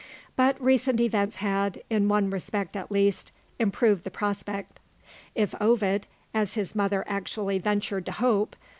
But recent events had, in one respect at least, improved the prospect. If Ovid (as his mother actually ventured to hope!)